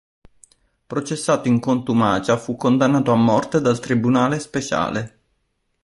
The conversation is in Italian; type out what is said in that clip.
Processato in contumacia, fu condannato a morte dal Tribunale speciale.